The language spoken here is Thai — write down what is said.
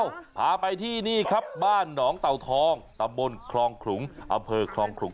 พาไปที่นี่ครับบ้านหนองเต่าทองตำบลคลองขลุงอำเภอคลองขลุง